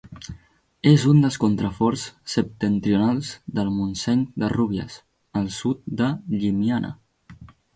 És un dels contraforts septentrionals del Montsec de Rúbies, al sud de Llimiana.